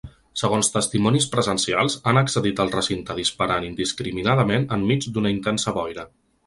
Segons testimonis presencials, han accedit al recinte disparant indiscriminadament enmig d’una intensa boira.